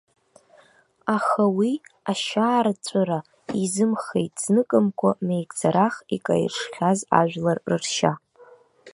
Аха уи ашьаарҵәыра изымхеит зныкымкәа меигӡарах икаиршхьаз ажәлар ршьа.